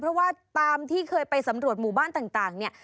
เพราะว่าตามที่เคยไปสำรวจหมู่บ้านต่างเนี่ย